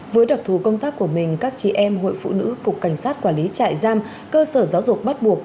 với đặc thù công tác của mình các chị em hội phụ nữ cục cảnh sát quản lý trại giam cơ sở giáo dục bắt buộc